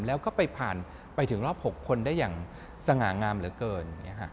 แล้วก็ไปผ่านไปถึงรอบ๖คนได้อย่างสง่างามเหลือเกิน